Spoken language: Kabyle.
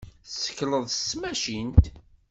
Tessakleḍ s tmacint.